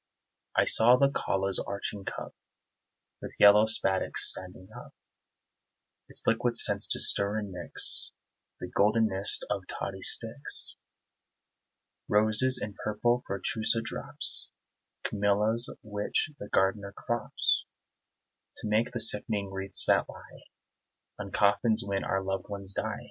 I saw the calla's arching cup With yellow spadix standing up, Its liquid scents to stir and mix The goldenest of toddy sticks; Roses and purple fuchsia drops; Camellias, which the gardener crops To make the sickening wreaths that lie On coffins when our loved ones die.